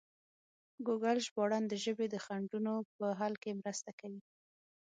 ګوګل ژباړن د ژبې د خنډونو په حل کې مرسته کوي.